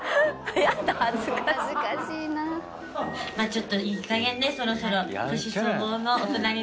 ちょっといいかげんねそろそろ。